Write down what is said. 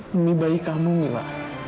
lebih baik kamu mila